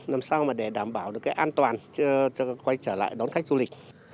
làm sao để đảm bảo an toàn quay trở lại đón khách du lịch